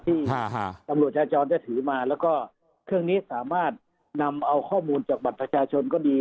ที่ตำรวจจราจรได้ถือมาแล้วก็เครื่องนี้สามารถนำเอาข้อมูลจากบัตรประชาชนก็ดี